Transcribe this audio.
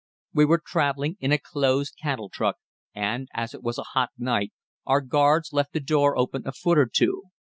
We were traveling in a closed cattle truck, and, as it was a hot night, our guards left the door open a foot or two.